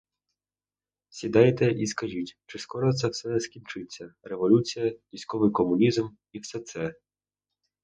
Сідайте і скажіть, чи скоро' все це скінчиться: революція, військовий комунізм і все це?